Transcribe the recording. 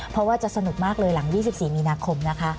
เพราะว่าจะสนุกมากเลยหลัง๒๔มีนาคมนะคะ